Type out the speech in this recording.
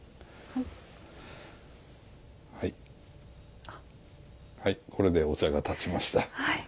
はいこれでお茶が点ちました。